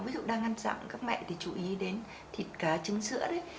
ví dụ đang ăn sẵn các mẹ thì chú ý đến thịt cá trứng sữa đấy